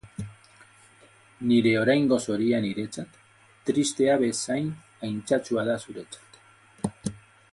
Nire oraingo zoria niretzat tristea bezain aintzatsua da zuretzat.